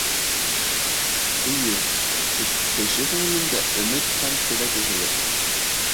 Эйе, кеше күңелендә өмөт һәм теләк йәшәргә тейеш.